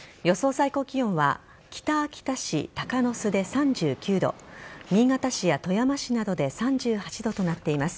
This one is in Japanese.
最高気温は北秋田市鷹巣で３９度新潟市や富山市などで３８度となっています。